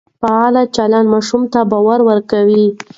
فعال چلند ماشوم ته باور ورکوي.